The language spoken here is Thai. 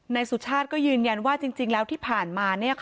สุชาติก็ยืนยันว่าจริงแล้วที่ผ่านมา